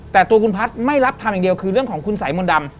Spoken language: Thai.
แต่ตัวคุณพัฒน์ไม่รับทำอย่างเดียวคือเรื่องของคุณสายมนต์ดำ